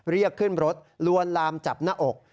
เรียกขึ้นรถลวนลามจับหน้าอก